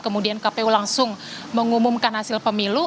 kemudian kpu langsung mengumumkan hasil pemilu